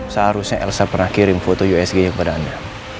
seharusnya elsa pernah kirim foto usg kepada anda